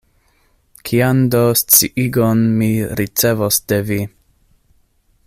Kian do sciigon mi ricevos de vi?